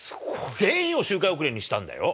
全員を周回遅れにしたんだよ。